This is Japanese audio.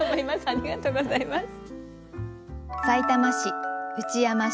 ありがとうございます。